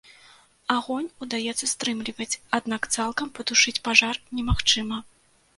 Агонь удаецца стрымліваць, аднак цалкам патушыць пажар немагчыма.